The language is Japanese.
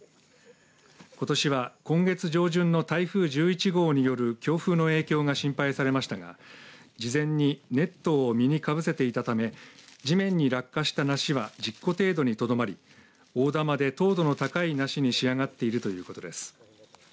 ことしは今月上旬の台風１１号による強風の影響が心配されましたが事前にネットを実にかぶせていたため地面に落下した梨は１０個程度にとどまり大玉で糖度の高い梨に仕上がっているということです。